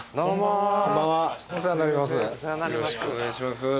よろしくお願いします。